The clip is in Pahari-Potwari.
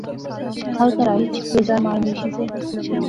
ہر کہرا اچ دو چار مال مویشی زے